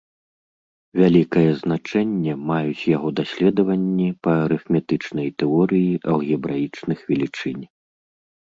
Вялікае значэнне маюць яго даследаванні па арыфметычнай тэорыі алгебраічных велічынь.